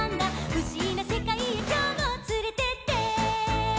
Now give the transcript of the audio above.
「ふしぎなせかいへきょうもつれてって！」